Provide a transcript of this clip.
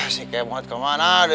sike muat kemana deh